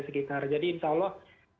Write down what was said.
sekitar jadi insya allah